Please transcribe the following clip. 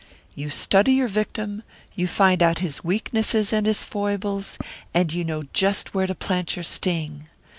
You study your victim, you find out his weaknesses and his foibles, and you know just where to plant your sting.